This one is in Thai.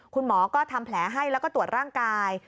คุณหมอก็ทำแผลให้แล้วก็ตรวจร่างกาย